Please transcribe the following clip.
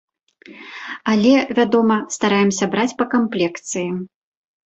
Але, вядома, стараемся браць па камплекцыі.